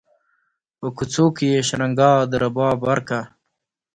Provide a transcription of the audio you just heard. په کوڅو کې یې شرنګا د رباب ورکه